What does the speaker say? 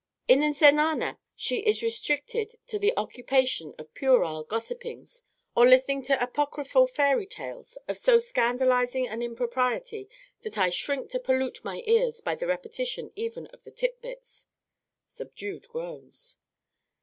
'_) In the Zenana, she is restricted to the occupation of puerile gossipings, or listening to apocryphal fairy tales of so scandalising an impropriety that I shrink to pollute my ears by the repetition even of the tit bits. (_Subdued groans.